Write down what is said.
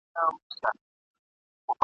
د افغان جرمن په ویب سایټ کي !.